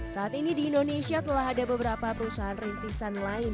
saat ini di indonesia telah ada beberapa perusahaan rintisan lain